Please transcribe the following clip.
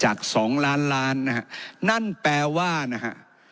สองล้านล้านนะฮะนั่นแปลว่านะฮะ